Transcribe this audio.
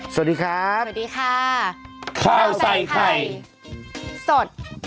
สวัสดีครับสวัสดีค่ะข้าวใส่ไข่สด